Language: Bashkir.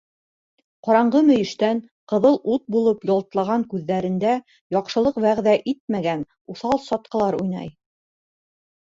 Ҡараңғы мөйөштән ҡыҙыл ут булып ялтлаған күҙҙәрендә яҡшылыҡ вәғәҙә итмәгән уҫал сатҡылар уйнай.